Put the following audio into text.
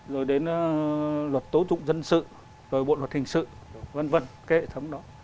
rồi đến luật tố trụng dân sự rồi bộ luật hình sự vân vân cái hệ thống đó